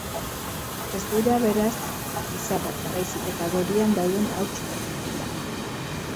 Ez dira, beraz, izarrak, baizik eta gorian dauden hauts partikulak.